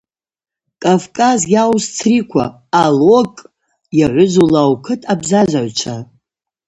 Кӏавкӏаз йауу сцриква – алокӏ йагӏвызу Лаукыт абзазагӏвчва!